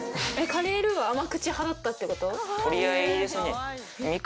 カレールーは甘口派だったってこと？